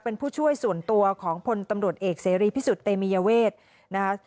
เป็นผู้ช่วยส่วนตัวของพลตำรวจเอกเสรีพิสุทธิเตมียเวทนะคะ